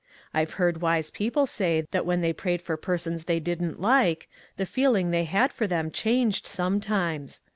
I've heard wise people say that when they prayed for persons they didn't like, the feeling they had for them changed, sometimes.